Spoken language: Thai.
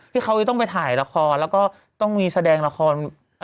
ที่เขาจะต้องไปถ่ายละครแล้วก็ต้องมีแสดงละคร